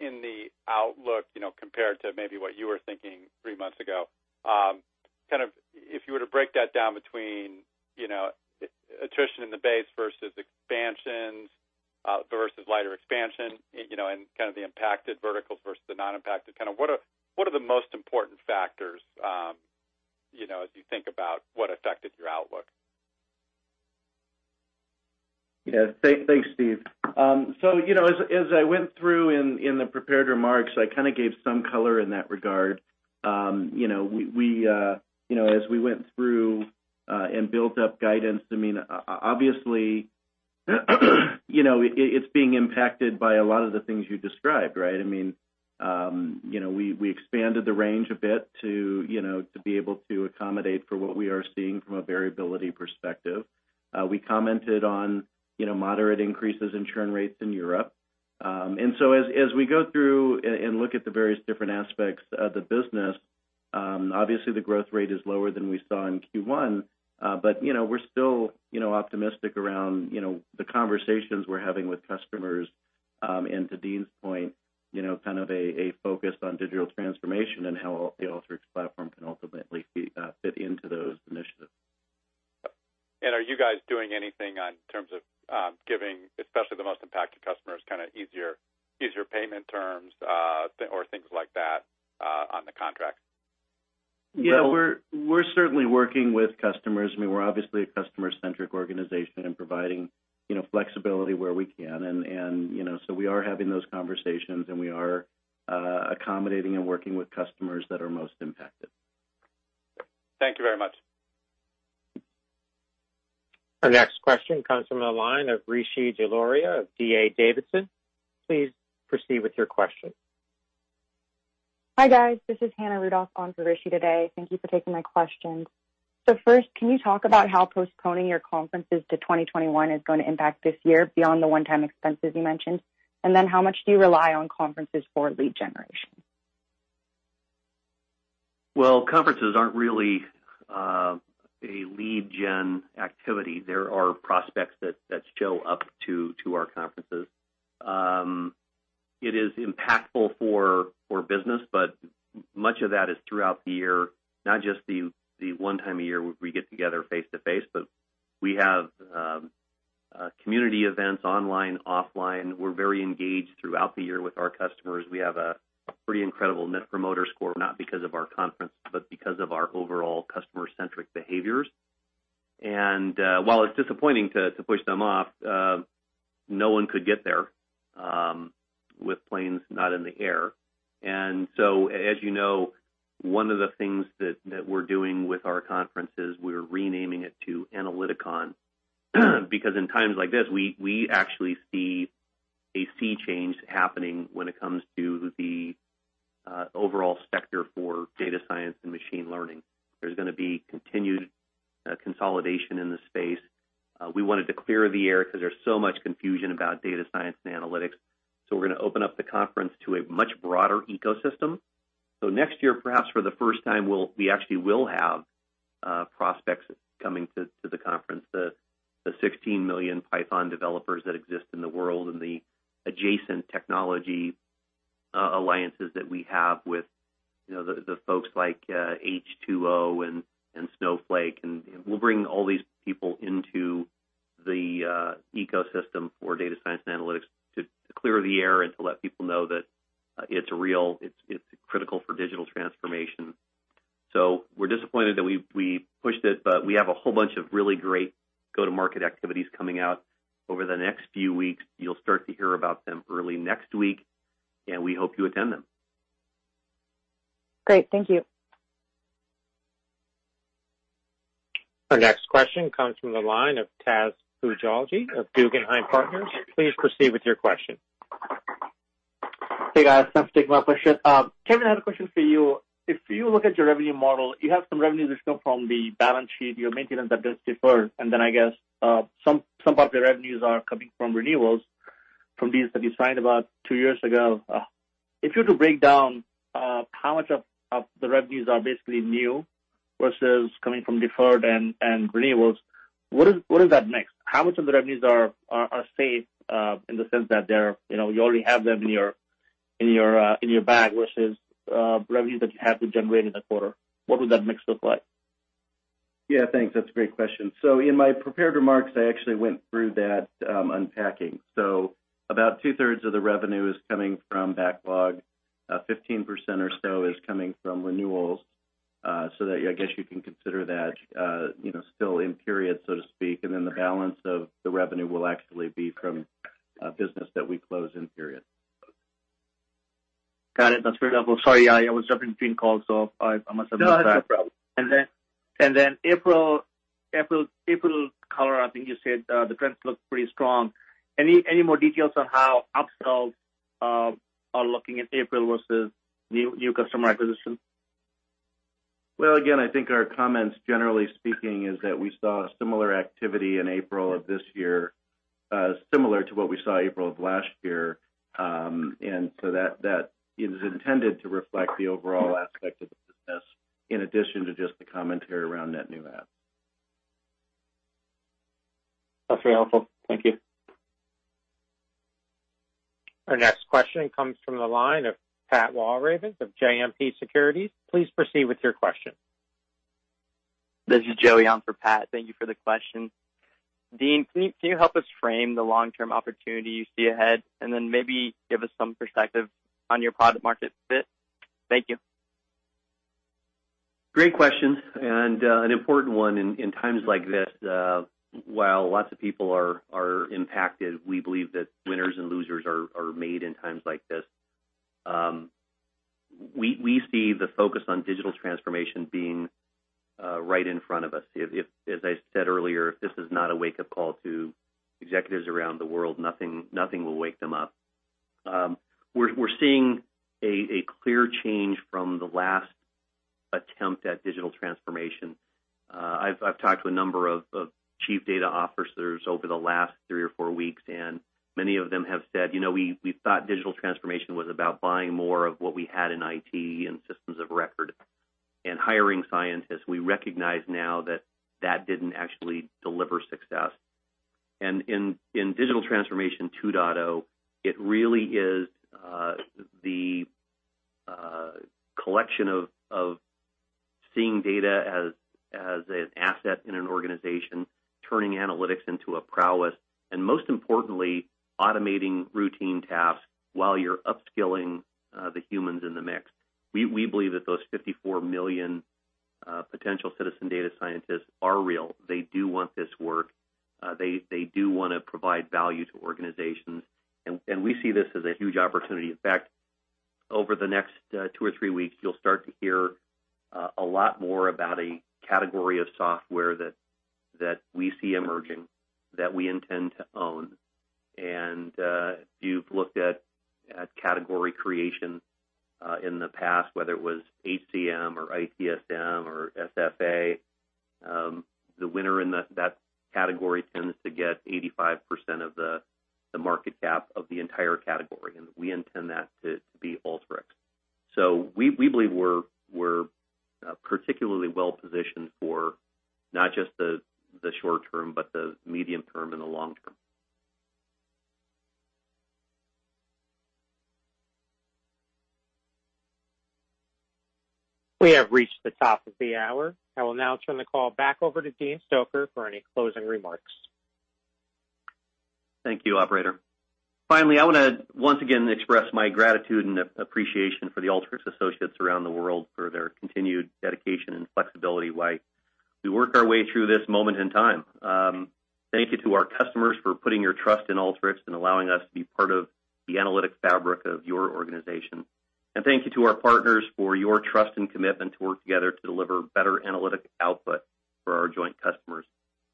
in the outlook compared to maybe what you were thinking three months ago. If you were to break that down between attrition in the base versus lighter expansion, and kind of the impacted verticals versus the non-impacted, what are the most important factors as you think about what affected your outlook? Yeah. Thanks, Steve. As I went through in the prepared remarks, I kind of gave some color in that regard. As we went through and built up guidance, obviously, it's being impacted by a lot of the things you described, right? We expanded the range a bit to be able to accommodate for what we are seeing from a variability perspective. We commented on moderate increases in churn rates in Europe. As we go through and look at the various different aspects of the business, obviously the growth rate is lower than we saw in Q1. We're still optimistic around the conversations we're having with customers. To Dean's point, kind of a focus on digital transformation and how the Alteryx platform can ultimately fit into those initiatives. Are you guys doing anything in terms of giving, especially the most impacted customers, kind of easier payment terms, or things like that on the contract? Yeah. We're certainly working with customers. We're obviously a customer-centric organization and providing flexibility where we can. We are having those conversations, and we are accommodating and working with customers that are most impacted. Thank you very much. Our next question comes from the line of Rishi Jaluria of D.A. Davidson. Please proceed with your question. Hi guys, this is Hannah Rudoff on for Rishi today. Thank you for taking my questions. First, can you talk about how postponing your conferences to 2021 is going to impact this year beyond the one-time expenses you mentioned? How much do you rely on conferences for lead generation? Well, conferences aren't really a lead gen activity. There are prospects that show up to our conferences. It is impactful for business, but much of that is throughout the year, not just the one time a year where we get together face-to-face, but we have community events online, offline. We're very engaged throughout the year with our customers. We have a pretty incredible net promoter score, not because of our conference, but because of our overall customer-centric behaviors. While it's disappointing to push them off, no one could get there with planes not in the air. As you know, one of the things that we're doing with our conference is we're renaming it to Analyticon, because in times like this, we actually see a sea change happening when it comes to the overall sector for data science and machine learning. There's going to be continued consolidation in the space. We wanted to clear the air because there's so much confusion about data science and analytics. We're going to open up the conference to a much broader ecosystem. Next year, perhaps for the first time, we actually will have prospects coming to the conference. The 16 million Python developers that exist in the world, and the adjacent technology alliances that we have with the folks like H2O.ai and Snowflake, and we'll bring all these people into the ecosystem for data science and analytics to clear the air and to let people know that it's real, it's critical for digital transformation. We're disappointed that we pushed it, but we have a whole bunch of really great go-to-market activities coming out over the next few weeks. You'll start to hear about them early next week, and we hope you attend them. Great. Thank you. Our next question comes from the line of Taz Koujalgi of Guggenheim Partners. Please proceed with your question. Hey, guys. Thanks. Taking my question. Kevin, I had a question for you. If you look at your revenue model, you have some revenues that come from the balance sheet, your maintenance that gets deferred, and then I guess, some part of the revenues are coming from renewals from deals that you signed about two years ago. If you were to break down how much of the revenues are basically new versus coming from deferred and renewals, what does that mix? How much of the revenues are safe, in the sense that you already have them in your bag, versus revenues that you have to generate in the quarter? What would that mix look like? Yeah, thanks. That's a great question. In my prepared remarks, I actually went through that unpacking. About two-thirds of the revenue is coming from backlog. 15% or so is coming from renewals. That I guess you can consider that still in period, so to speak, and then the balance of the revenue will actually be from business that we close in period. Got it. That's very helpful. Sorry, I was jumping between calls, so I must have missed that. No, that's no problem. April color, I think you said the trends look pretty strong. Any more details on how upsells are looking in April versus new customer acquisition? Well, again, I think our comments, generally speaking, is that we saw similar activity in April of this year, similar to what we saw April of last year. That is intended to reflect the overall aspect of the business in addition to just the commentary around net new apps. That's very helpful. Thank you. Our next question comes from the line of Pat Walravens of JMP Securities. Please proceed with your question. This is Joey on for Pat. Thank you for the question. Dean, can you help us frame the long-term opportunity you see ahead, and then maybe give us some perspective on your product market fit? Thank you. Great question, and an important one in times like this. While lots of people are impacted, we believe that winners and losers are made in times like this. We see the focus on digital transformation being right in front of us. As I said earlier, if this is not a wake-up call to executives around the world, nothing will wake them up. We're seeing a clear change from the last attempt at digital transformation. I've talked to a number of chief data officers over the last three or four weeks, and many of them have said, "We thought digital transformation was about buying more of what we had in IT and systems of record and hiring scientists. We recognize now that that didn't actually deliver success. In digital transformation 2.0, it really is the collection of seeing data as an asset in an organization, turning analytics into a prowess, and most importantly, automating routine tasks while you're upskilling the humans in the mix. We believe that those 54 million potential citizen data scientists are real. They do want this work. They do want to provide value to organizations, and we see this as a huge opportunity. In fact, over the next two or three weeks, you'll start to hear a lot more about a category of software that we see emerging that we intend to own. If you've looked at category creation in the past, whether it was HCM or ITSM or SFA, the winner in that category tends to get 85% of the market cap of the entire category, and we intend that to be Alteryx. We believe we're particularly well-positioned for not just the short term, but the medium term and the long term. We have reached the top of the hour. I will now turn the call back over to Dean Stoecker for any closing remarks. Thank you, operator. Finally, I want to once again express my gratitude and appreciation for the Alteryx associates around the world for their continued dedication and flexibility while we work our way through this moment in time. Thank you to our customers for putting your trust in Alteryx and allowing us to be part of the analytic fabric of your organization. Thank you to our partners for your trust and commitment to work together to deliver better analytic output for our joint customers.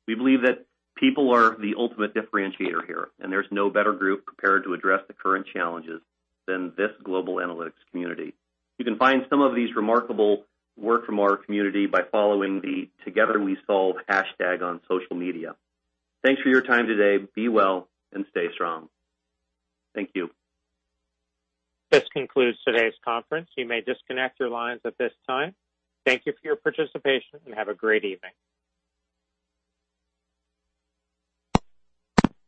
We believe that people are the ultimate differentiator here, and there's no better group prepared to address the current challenges than this global analytics community. You can find some of these remarkable work from our community by following the Together We Solve hashtag on social media. Thanks for your time today. Be well and stay strong. Thank you. This concludes today's conference. You may disconnect your lines at this time. Thank you for your participation, and have a great evening.